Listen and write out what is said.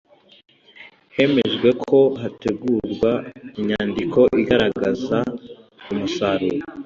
Hemejwe ko hategurwa inyandiko igaragaza umusaruro